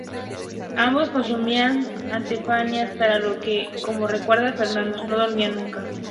Ambos consumían anfetaminas, por lo que, como recuerda Fernando, no dormían nunca.